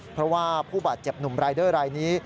เพราะว่าผู้บาดเจ็บหนุ่มรายเดอร์รายนี้